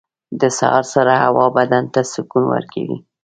• د سهار سړه هوا بدن ته سکون ورکوي.